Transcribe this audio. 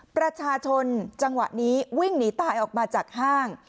ประชาชนจังหวะนี้วิ่งหนีตายออกมาจากห้าง